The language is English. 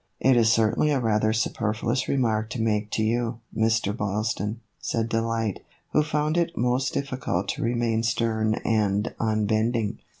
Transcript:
" It is certainly a rather superfluous remark to make to you, Mr. Boylston," said Delight, who found it most difficult to remain stern and unbending.